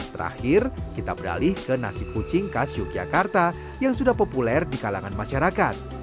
terakhir kita beralih ke nasi kucing khas yogyakarta yang sudah populer di kalangan masyarakat